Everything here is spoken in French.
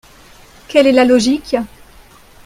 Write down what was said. Quelle est la logique?